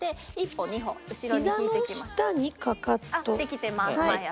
できてます前足。